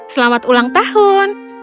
selamat ulang tahun